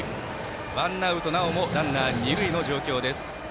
ワンアウトなおもランナー、二塁の状況。